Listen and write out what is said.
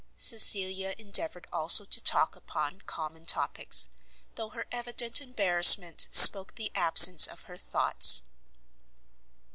Cecilia endeavoured also to talk upon common topics, though her evident embarrassment spoke the absence of her thoughts.